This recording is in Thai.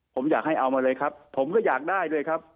ผมอยากให้เอามาเลยครับผมก็อยากได้ด้วยครับ